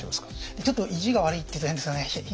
ちょっと意地が悪いっていうと変ですかね。